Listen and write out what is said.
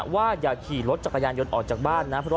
ว่าอย่าขี่รถจักรยานยนต์ออกจากบ้านนะ